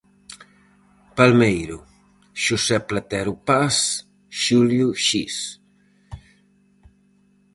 Palmeiro; Xosé Platero Paz; Xulio Xiz.